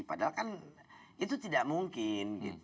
padahal kan itu tidak mungkin